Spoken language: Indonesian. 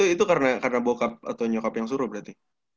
itu karena bokap atau nyukap yang suruh berarti